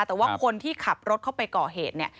แต่ว่าคนที่ขับรถเข้าไปก่อเหตุเนี่ย